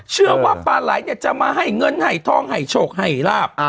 เศื่อว่าปลาไหล็กจะให้เงินไห่ทองไห่โชกไห่ราบ